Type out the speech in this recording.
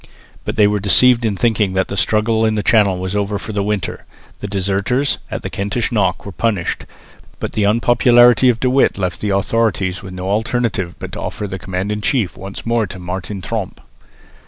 But they were deceived in thinking that the struggle in the Channel was over for the winter. The deserters at the Kentish Knock were punished, but the unpopularity of De With left the authorities with no alternative but to offer the command in chief once more to Martin Tromp.